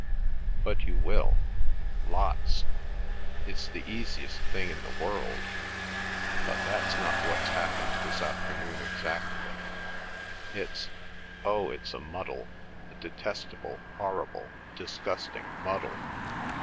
"But you will—lots—it's the easiest thing in the world—But that's not what's happened this afternoon exactly. It's—Oh, it's a muddle, a detestable, horrible, disgusting muddle!"